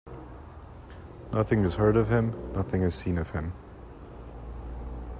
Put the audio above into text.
Nothing is heard of him, nothing is seen of him.